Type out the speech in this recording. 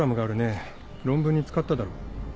論文に使っただろ。